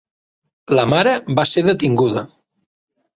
La mare va ser detinguda.